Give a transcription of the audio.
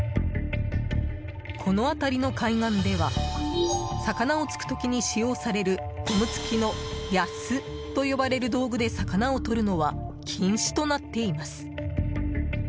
この辺りの海岸では魚を突く時に使用されるゴム付きのヤスと呼ばれる道具で魚をとるのは禁止となっています。